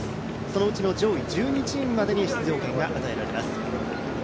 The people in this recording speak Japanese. そのうちの上位１２チームまでに出場権が与えられます。